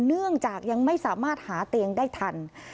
เนื่องจากยังไม่สามารถหาเตียงได้ทัน